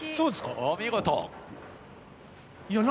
お見事！